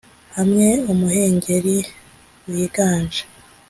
Hamwe umuhengeri wiganje.